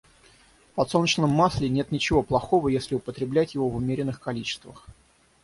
В подсолнечном масле нет ничего плохого, если употреблять его в умеренных количествах.